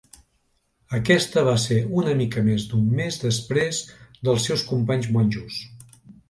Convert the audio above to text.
Aquesta va ser una mica més d'un mes després dels seus companys monjos.